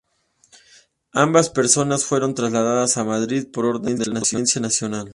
Ambas personas fueron trasladadas a Madrid por orden de la Audiencia Nacional.